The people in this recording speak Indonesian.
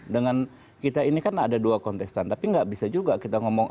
dengan kita ini kan ada dua kontestan tapi nggak bisa juga kita ngomong